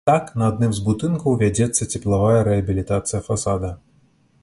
Так, на адным з будынкаў вядзецца цеплавая рэабілітацыя фасада.